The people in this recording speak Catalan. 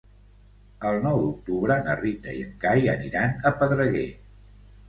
El nou d'octubre na Rita i en Cai aniran a Pedreguer.